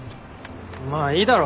まあいいだろ。